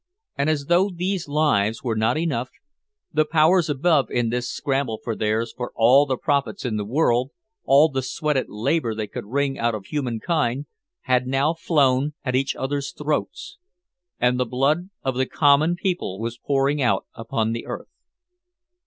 And as though these lives were not enough, the powers above in this scramble for theirs for all the profits in the world, all the sweated labor they could wring out of humankind, had now flown at each others' throats. And the blood of the common people was pouring out upon the earth.